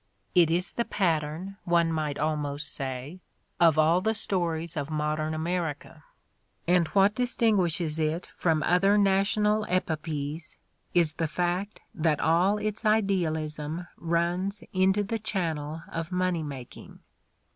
It is the pattern, one might almost say, of all the stories of modern America; and what distinguishes it from other national epopees is The Gilded Age 57 the fact that all its idealism runs into the channel of money making.